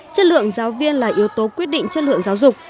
chất lượng giáo viên là yếu tố quyết định chất lượng giáo dục